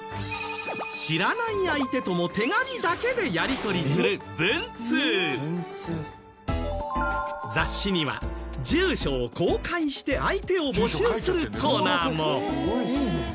知らない相手とも手紙だけでやり取りする雑誌には住所を公開して相手を募集するコーナーも。